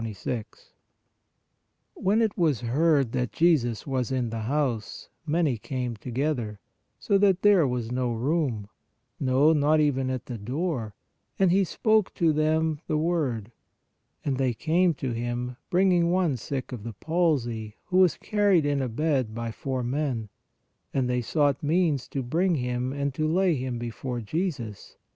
e When it was heard that Jesus was in the house, many came together, so that there was no room; no, not even at the door; and He spoke to them the word. And they came to Him, bringing one sick of the palsy, who was carried in a bed by four men. And they sought means to bring him and to lay him before Jesus.